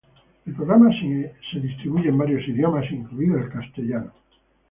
El programa es distribuido en varios idiomas, incluido el español.